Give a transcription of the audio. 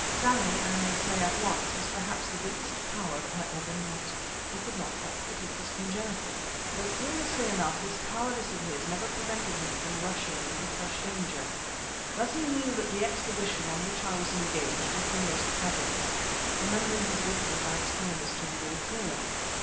Sammy, I may say at once, was perhaps the biggest coward I ever met. He could not help it, it was congenital, though, curiously enough, this cowardice of his never prevented him from rushing into fresh danger. Thus he knew that the expedition upon which I was engaged would be most hazardous; remembering his weakness I explained this to him very clearly.